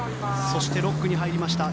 そして６区に入りました。